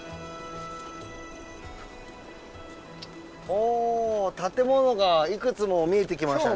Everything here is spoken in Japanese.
お建物がいくつも見えてきましたね。